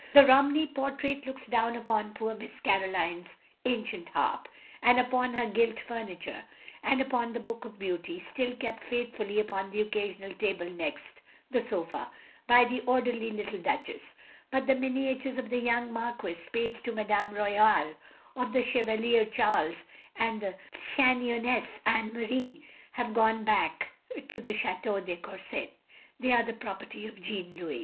The Romney portrait looks down upon poor Miss Caroline's ancient harp; and upon her gilt furniture, and upon the Book of Beauty, still kept faithfully upon the occasional table next the sofa, by the orderly little Duchess; but the miniatures of the young Marquis, page to Madame Royale, of the Chevalier Charles, and the Cha noinesse Anne Marie, — have gone back to the Chateau de Courset ; they are the property of Jean Louis.